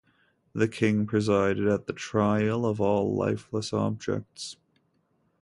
The King presided at the trial of all lifeless objects.